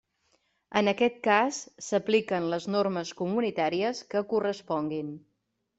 En aquest cas, s'apliquen les normes comunitàries que corresponguin.